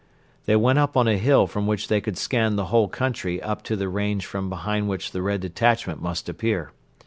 They went up on a hill from which they could scan the whole country up to the range from behind which the Red detachment must appear.